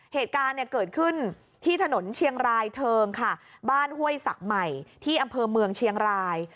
เหตุการณ์เนี่ยเกิดขึ้นที่ถนนเชียงรายเทิงค่ะบ้านห้วยศักดิ์ใหม่ที่อำเภอเมืองเชียงราย